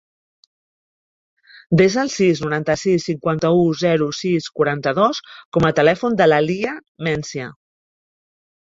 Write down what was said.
Desa el sis, noranta-sis, cinquanta-u, zero, sis, quaranta-dos com a telèfon de la Leah Mencia.